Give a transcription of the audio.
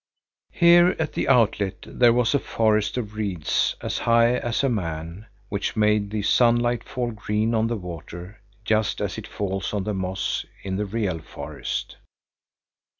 Here at the outlet there was a forest of reeds as high as a man, which made the sunlight fall green on the water just as it falls on the moss in the real forest.